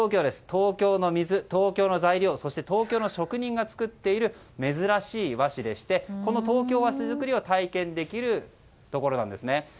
東京の水、東京の材料そして東京の職人が作っている珍しい和紙でしてこの東京和紙作りを体験できるところなんですね。